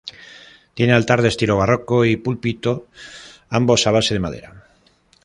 Tiene altar de estilo barroco y púlpito, ambos a base de madera.